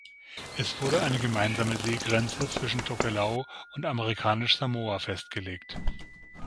Es wurde eine gemeinsame Seegrenze zwischen Tokelau und Amerikanisch-Samoa festgelegt.